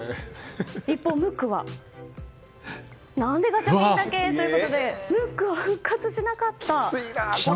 一方、ムックは何でガチャピンだけ？ということでムックは復活しなかったということなんです。